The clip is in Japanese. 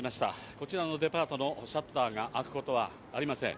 こちらのデパートのシャッターが開くことはありません。